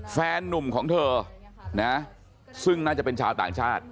แฟนนุ่มของเธอนะซึ่งน่าจะเป็นชาวต่างชาติ